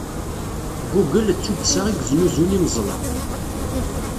Google d tuddsa i yesnuzun imeẓla.